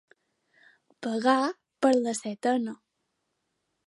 Pagar per la setena.